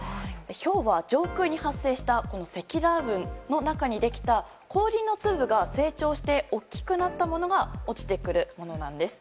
ひょうは上空に発生した積乱雲の中にできた氷の粒が成長して大きくなったものが落ちてくるものなんです。